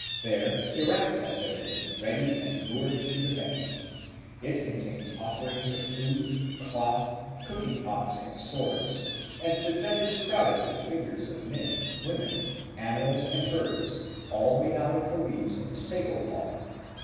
There a raft has been made ready and moored to the bank. It contains offerings of food, cloth, cooking pots, and swords; and the deck is crowded with figures of men, women, animals, and birds, all made out of the leaves of the sago palm.